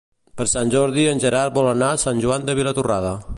Per Sant Jordi en Gerard vol anar a Sant Joan de Vilatorrada.